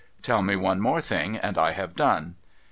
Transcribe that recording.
Tell me one more thing, and I have done.